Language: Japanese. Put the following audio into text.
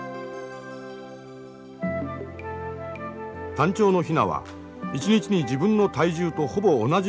タンチョウのヒナは一日に自分の体重とほぼ同じ量の餌を食べる。